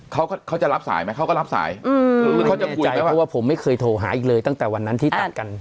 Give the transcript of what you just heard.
เขาเขาจะรับสายไหมเขาก็รับสายอืมหรือเขาจะคุยไหมเพราะว่าผมไม่เคยโทรหาอีกเลยตั้งแต่วันนั้นที่ตัดกัน